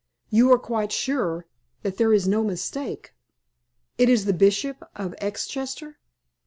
"You are quite sure that there is no mistake? It is the Bishop of Exchester?"